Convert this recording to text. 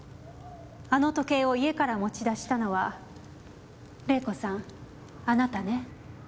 あの時計を家から持ち出したのは礼子さんあなたね？